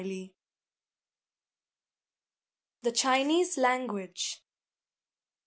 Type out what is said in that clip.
"] THE CHINESE LANGUAGE.